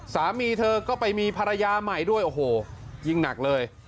สามีเธอก็ไปมีภรรยาใหม่ด้วยโอ้โหยิ่งหนักเลย